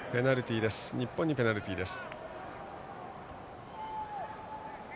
日本にペナルティーです。